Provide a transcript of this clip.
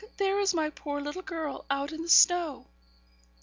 there is my poor little girl out in the snow!'